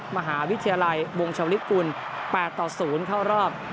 มหาวิทยาลัยวงชาวริกุลแปดต่อศูนย์เข้ารอบ